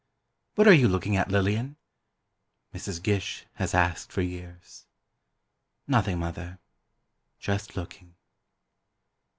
"'What are you looking at, Lillian?' Mrs. Gish has asked for years. "'Nothing, Mother, just looking.